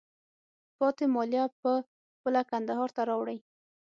پاتې مالیه په خپله کندهار ته راوړئ.